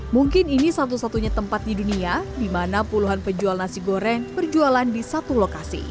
mungkin ini satu satunya tempat di dunia di mana puluhan penjual nasi goreng berjualan di satu lokasi